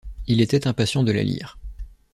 Il était impatient de la lire.